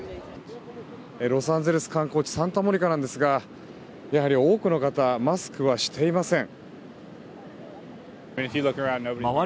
ロサンゼルスの観光地サンタモニカなんですがやはり多くの方マスクはしていません。